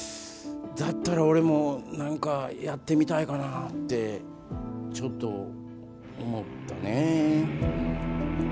だったら俺も何かやってみたいかなってちょっと思ったね。